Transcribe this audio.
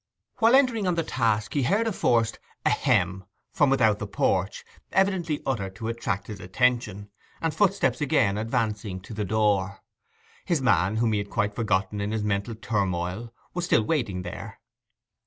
While entering on the task he heard a forced 'Ahem!' from without the porch, evidently uttered to attract his attention, and footsteps again advancing to the door. His man, whom he had quite forgotten in his mental turmoil, was still waiting there.